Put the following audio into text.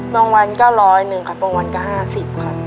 บางวันก็ร้อยหนึ่งครับบางวันก็ห้าสิบครับ